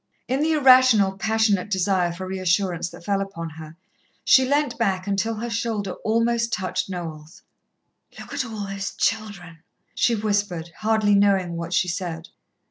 In the irrational, passionate desire for reassurance that fell upon her, she leant back until her shoulder almost touched Noel's. "Look at all those children!" she whispered, hardly knowing what she said.